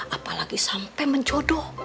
apalagi sampai menjodoh